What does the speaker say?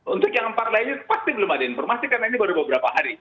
untuk yang empat lainnya pasti belum ada informasi karena ini baru beberapa hari